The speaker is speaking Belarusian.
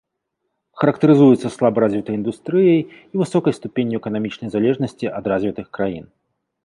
Характарызуюцца слаба развітай індустрыяй і высокай ступенню эканамічнай залежнасці ад развітых краін.